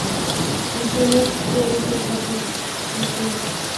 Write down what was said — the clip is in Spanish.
El suelo debe ser bajo en nutrientes.